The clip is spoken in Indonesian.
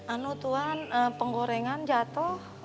ano tuhan penggorengan jatuh